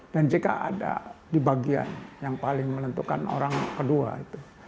dan jk ada di bagian yang paling menentukan orang kedua itu